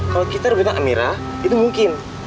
kalo kita udah beritahu amira itu mungkin